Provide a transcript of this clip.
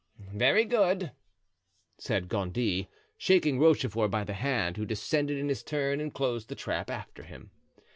"Very good," said Gondy, shaking Rochefort by the hand, who descended in his turn and closed the trap after him.